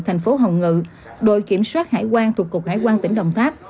thành phố hồng ngự đội kiểm soát hải quan thuộc cục hải quan tỉnh đồng tháp